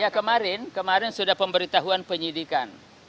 ya kemarin kemarin sudah pemberitahuan penyidikan